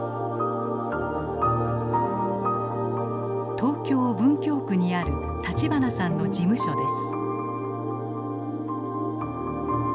東京・文京区にある立花さんの事務所です。